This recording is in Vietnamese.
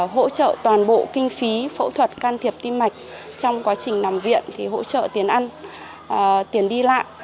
hỗ trợ toàn bộ kinh phí phẫu thuật can thiệp tim mạch trong quá trình nằm viện thì hỗ trợ tiền ăn tiền đi lạ